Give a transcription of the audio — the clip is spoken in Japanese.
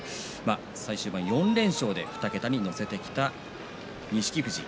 最終盤、４連勝で２桁に乗せてきた錦富士。